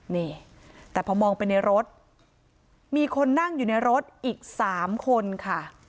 นี่แต่พอมองไปในรถมีคนนั่งอยู่ในรถอีก๓คนค่ะ